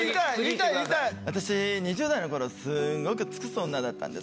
私２０代の頃スゴく尽くす女だったんですよ。